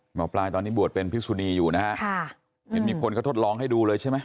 หมอปลายตอนนี้บวชเป็นพิสุนีอยู่นะฮะค่ะเห็นมีคนเขาทดลองให้ดูเลยใช่ไหม